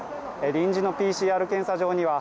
臨時のＰＣＲ検査場には